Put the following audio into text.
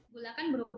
gula kan buruk banget